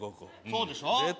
そうでしょう。